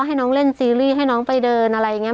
ให้น้องเล่นซีรีส์ให้น้องไปเดินอะไรอย่างนี้